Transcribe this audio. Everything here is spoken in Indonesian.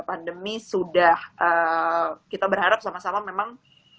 pandemi sudah kita berharap sama sama memang